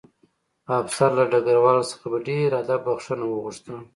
افسر له ډګروال څخه په ډېر ادب بښنه وغوښته